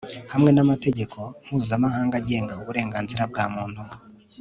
hamwe n'amategeko mpuzamahanga agenga uburenganzira bwa muntu